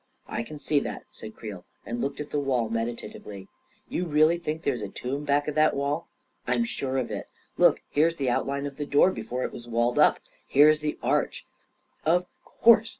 44 1 can see that," said Creel, and looked at the wall meditatively. u You really think there's a tomb back of that wall?" 44 I'm sure of it. Look, here is the outline of the door before it was walled up — here is the arch ..."" Of course